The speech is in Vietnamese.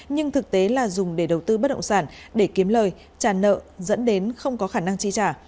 nhưng thực tế là dùng để đầu tư bất động sản để kiếm lời trả nợ dẫn đến không có khả năng chi trả